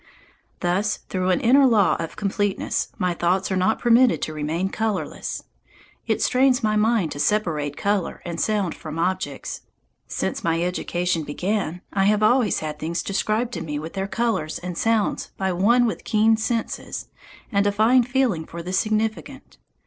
Thus through an inner law of completeness my thoughts are not permitted to remain colourless. It strains my mind to separate colour and sound from objects. Since my education began I have always had things described to me with their colours and sounds by one with keen senses and a fine feeling for the significant.